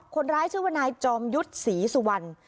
คนร้ายชื่อว่านายจอมยุทธ์ศรีสุวรรณ